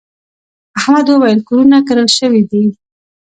احمد وويل: کورونه کرل شوي دي.